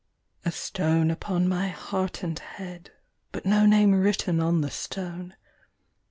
A stone upon my heart and head, But no name written on the stone!